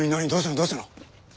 どうしたの？